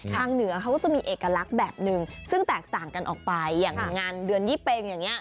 เหนือเขาก็จะมีเอกลักษณ์แบบหนึ่งซึ่งแตกต่างกันออกไปอย่างงานเดือนยี่เป็งอย่างนี้